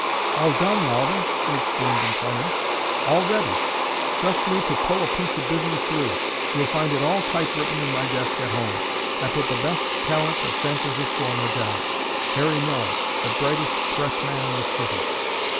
"All done, Loudon!" he exclaimed in triumph. "All ready. Trust me to pull a piece of business through. You'll find it all type written in my desk at home. I put the best talent of San Francisco on the job: Harry Miller, the brightest pressman in the city."